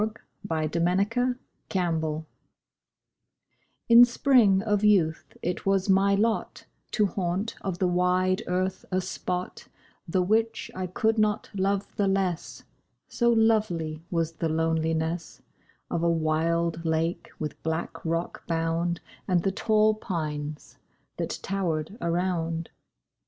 1831. THE LAKE —— TO—— In spring of youth it was my lot To haunt of the wide earth a spot The which I could not love the less— So lovely was the loneliness Of a wild lake, with black rock bound, And the tall pines that tower'd around.